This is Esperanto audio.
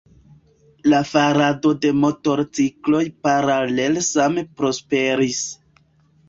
La farado de motorcikloj paralele same prosperis.